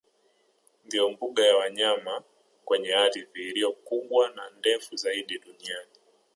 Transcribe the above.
Ndiyo mbuga ya wanyama kwenye ardhi iliyo kubwa na ndefu zaidi duniani